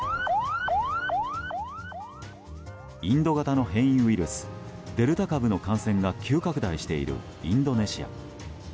インド型の変異ウイルスデルタ株の感染が急拡大しているインドネシア。